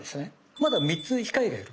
まだ３つ控えがいる。